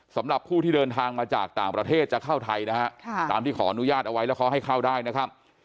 สำหรับผู้ที่เดินทางมาจากต่างประเทศจะเข้าไทยนะฮะตามที่ขออนุญาตเอาไว้แล้วเขาให้เข้าได้นะครับ